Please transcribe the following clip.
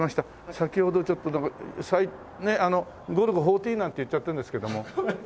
先ほどちょっとなんかゴルゴ１４なんて言っちゃったんですけども。